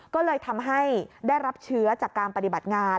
ก็เลยทำให้ได้รับเชื้อจากการปฏิบัติงาน